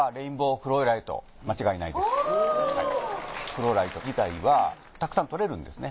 フローライト自体はたくさん採れるんですね。